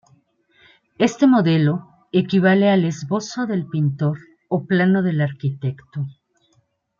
Este modelo equivale al esbozo del pintor o plano del arquitecto.